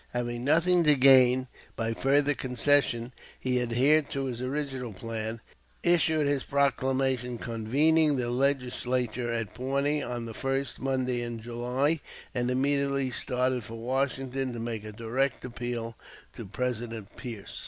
Having nothing to gain by further concession, he adhered to his original plan, issued his proclamation convening the Legislature at Pawnee on the first Monday in July, and immediately started for Washington to make a direct appeal to President Pierce.